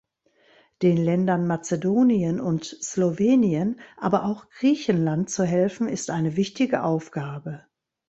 Den Ländern Mazedonien und Slowenien, aber auch Griechenland zu helfen, ist eine wichtige Aufgabe.